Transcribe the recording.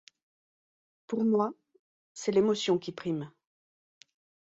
Pour moi, c’est l’émotion qui prime.